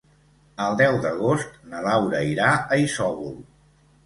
El deu d'agost na Laura irà a Isòvol.